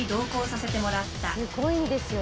すごいんですよ